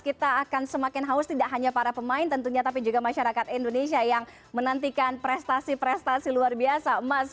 kita akan semakin haus tidak hanya para pemain tentunya tapi juga masyarakat indonesia yang menantikan prestasi prestasi luar biasa emas